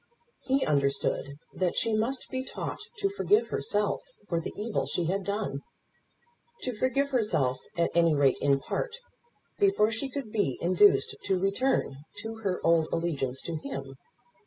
He understood that she must be taught to forgive herself for the evil she had done, to forgive herself, at any rate in part, before she could be induced to return to her old allegiance to him.